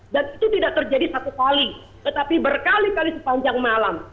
dan itu tidak terjadi satu kali tetapi berkali kali sepanjang malam